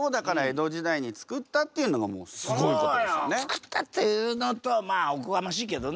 つくったっていうのとはまあおこがましいけどね。